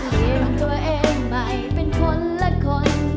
ลืมตัวเองใหม่เป็นคนละคน